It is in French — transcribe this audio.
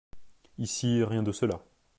Ici, rien de cela.